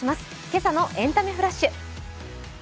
今朝のエンタメフラッシュ。